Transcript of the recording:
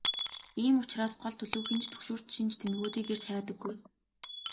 Ийм учраас гол төлөв хэн ч түгшүүрт шинж тэмдгүүдийг эрж хайдаггүй.